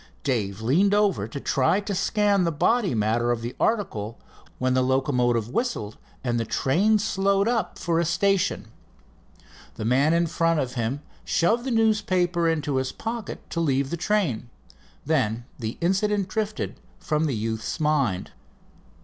Dave leaned over to try to scan the body matter of the article, when the locomotive whistled and the train slowed up for a station. The man in front of him shoved the newspaper into his pocket to leave the train. Then the incident drifted from the youth's mind.